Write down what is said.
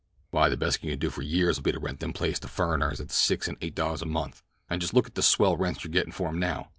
"Why, the best you can do for years'll be to rent them places to furriners at six and eight dollars a month, and just look at the swell rents you're gettin' for 'em now.